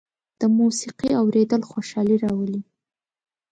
د موسيقۍ اورېدل خوشالي راولي.